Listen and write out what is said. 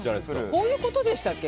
こういうことでしたっけ。